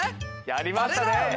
やりましたね！